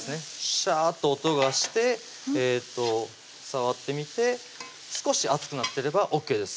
シャーッと音がして触ってみて少し熱くなってればＯＫです